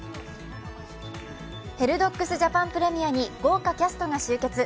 「ヘルドッグス」ジャパンプレミアに豪華キャストが集結。